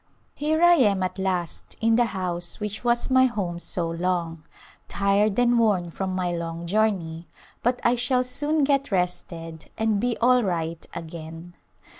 Here I am at last in the house which was my home so long, tired and worn from my long journey, but I shall soon get rested and be ail right again.